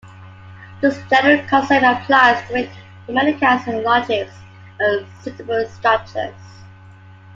This general concept applies to many kinds of logics and suitable structures.